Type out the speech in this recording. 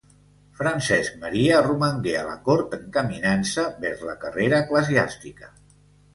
Francesc Maria romangué a la cort encaminant-se vers la carrera eclesiàstica.